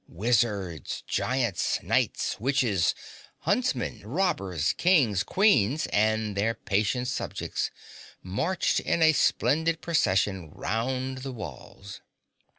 Wizards, giants, knights, witches, huntsmen, robbers, kings, queens and their patient subjects marched in a splendid procession round the walls.